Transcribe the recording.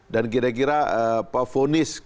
dan kira kira pavonis kepada pendiri anggaran